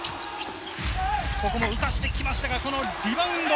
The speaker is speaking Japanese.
浮かしてきましたがリバウンド。